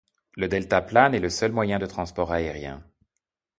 Le deltaplane est le seul moyen de transport aérien.